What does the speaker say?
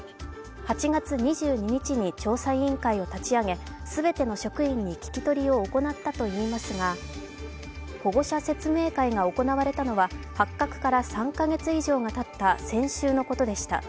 ８月２２日に調査委員会を立ち上げ全ての職員に聞き取りを行ったといいますが、保護者説明会が行われたのは発覚から３か月以上がたった先週のことでした。